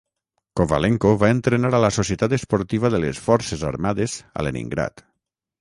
Kovalenko va entrenar a la societat esportiva de les Forces Armades a Leningrad.